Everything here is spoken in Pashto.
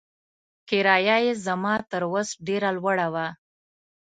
کرایه یې زما تر وس ډېره لوړه وه.